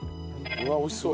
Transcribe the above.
うわ美味しそう。